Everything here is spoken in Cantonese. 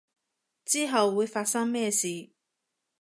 之後會發生咩事